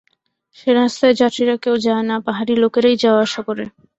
সে রাস্তায় যাত্রীরা কেউ যায় না, পাহাড়ী লোকেরাই যাওয়া-আসা করে।